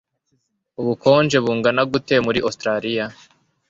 Ubukonje bungana gute muri Ositaraliya